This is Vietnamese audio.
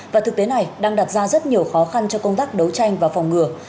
và thực tế này đang đặt ra rất nhiều khó khăn cho công tác đấu tranh và phòng ngừa